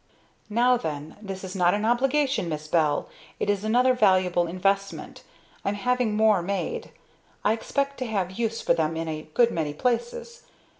"Now then. This is not an obligation, Miss Bell, it is another valuable investment. I'm having more made. I expect to have use for them in a good many places.